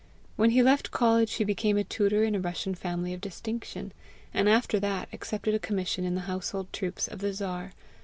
When he left college, he became tutor in a Russian family of distinction, and after that accepted a commission in the household troops of the Czar.